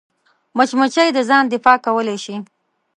مچمچۍ د ځان دفاع کولی شي